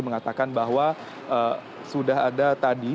mengatakan bahwa sudah ada tadi